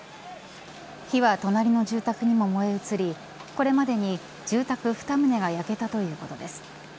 火は隣の住宅にも燃え移りこれまでに住宅２棟が焼けたということです。